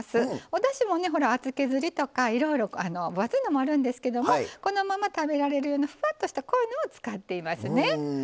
おだしもねほら厚削りとかいろいろ分厚いのもあるんですけどもこのまま食べられるようなふわっとしたこういうのを使っていますね。